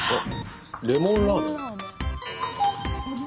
レモンラーメン？